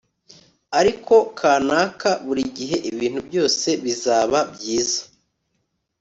ariko, kanaka, burigihe ibintu byose bizaba byiza